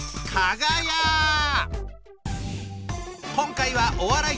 今回はお笑い